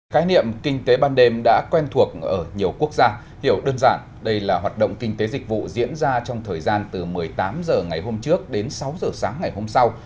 khái niệm kinh tế ban đêm đã quen thuộc ở nhiều quốc gia hiểu đơn giản đây là hoạt động kinh tế dịch vụ diễn ra trong thời gian từ một mươi tám h ngày hôm trước đến sáu h sáng ngày hôm sau